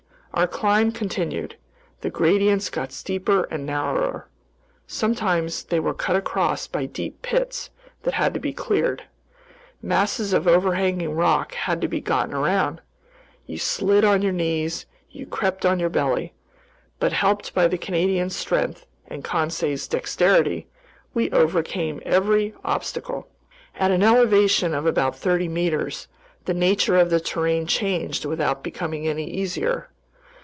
Our climb continued. The gradients got steeper and narrower. Sometimes they were cut across by deep pits that had to be cleared. Masses of overhanging rock had to be gotten around. You slid on your knees, you crept on your belly. But helped by the Canadian's strength and Conseil's dexterity, we overcame every obstacle. At an elevation of about thirty meters, the nature of the terrain changed without becoming any easier.